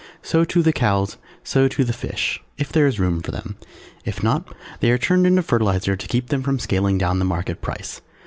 So too the Cows, so too the Fish, if there is room for them; if not they are turned into fertilizer to keep them from scaling down the market price.